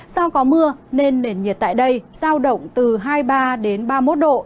do có mưa nền nhiệt tại đây giao động từ hai mươi ba ba mươi một độ